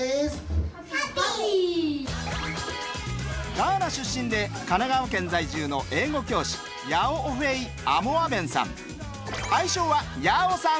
ガーナ出身で神奈川県在住の英語教師ヤオオフェイ・アモアベンさん。